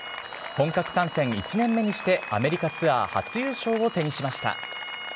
本格参戦１年目にして、アメリカツアー初優勝を手にしました。